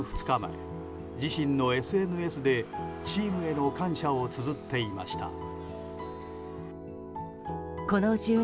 ２日前自身のＳＮＳでチームへの感謝をつづっていました。